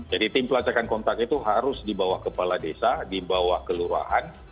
jadi tim pelacakan kontak itu harus dibawa kepala desa dibawa ke luar